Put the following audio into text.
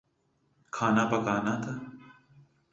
کھانا پکانا تھا